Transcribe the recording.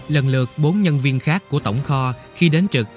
lần lượt bốn nhân viên khác của tổng kho khi đến trực